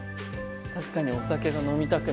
確かにお酒が飲みたくなる。